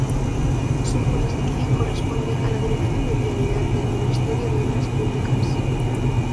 Su jurisdicción corresponde a la Dirección de Vialidad del Ministerio de Obras Públicas.